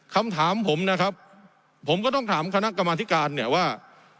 คำถามผมนะครับผมก็ต้องถามคณะกรรมธิการเนี่ยว่า